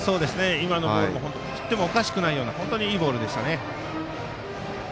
今のボール振ってもおかしくないようないいボールでした。